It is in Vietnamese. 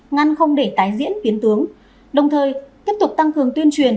ngăn không để tái diễn biến tướng đồng thời tiếp tục tăng cường tuyên truyền